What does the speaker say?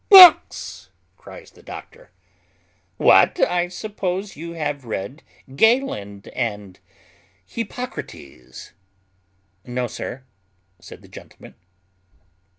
"Books!" cries the doctor. "What, I suppose you have read Galen and Hippocrates!" "No, sir," said the gentleman.